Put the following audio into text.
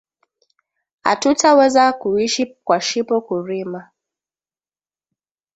Atuta weza ku ishi kwashipo ku rima